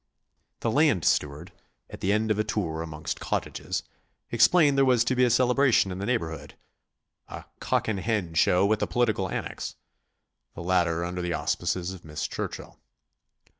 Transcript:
The land steward, at the end of a tour amongst cottages, explained there was to be a celebration in the neighbourhood a "cock and hen show with a political annex"; the latter under the auspices of Miss Churchill.